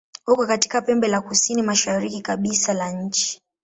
Uko katika pembe la kusini-mashariki kabisa la nchi.